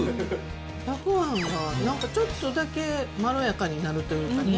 たくあんがちょっとだけまろやかになるというかね。